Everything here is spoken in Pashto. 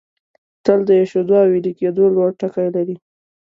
تل د ایشېدو او ویلي کېدو لوړ ټکي لري.